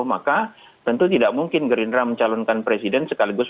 maka tentu tidak mungkin gerindra mencalonkan presiden sekaligus